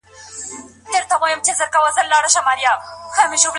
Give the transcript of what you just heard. په بازارونو کي باید د غلا مخه ونیول سي.